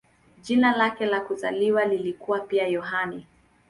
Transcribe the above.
Jina lake la kuzaliwa lilikuwa pia "Yohane".